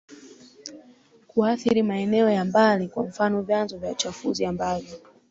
kuathiri maeneo ya mbali Kwa mfano vyanzo vya uchafuzi ambavyo